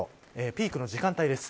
ピークの時間帯です。